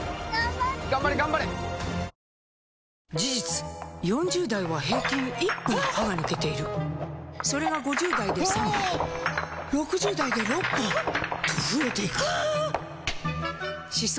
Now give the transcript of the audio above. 事実４０代は平均１本歯が抜けているそれが５０代で３本６０代で６本と増えていく歯槽